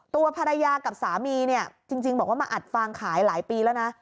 ตัวภรรยากับสามีเนี่ยจริงบอกว่ามาอัดฟางขายหลายปีแล้วนะ